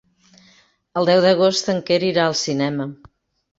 El deu d'agost en Quer irà al cinema.